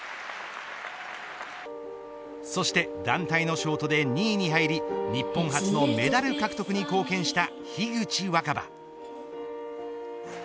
そして団体のショートで２位に入り日本初のメダル獲得に貢献した樋口新葉。